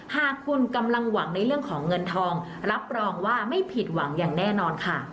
หากคุณกำลังหวังในเรื่องของเงินทองรับรองว่าไม่ผิดหวังอย่างแน่นอนค่ะ